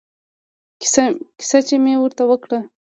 کيسه چې مې ورته وکړه.